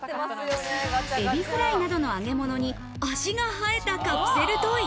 エビフライなどの揚げ物に足が生えたカプセルトイ。